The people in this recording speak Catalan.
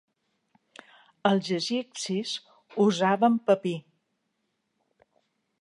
Els egipcis usaven papir.